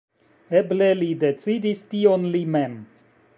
Eble li decidis tion li mem.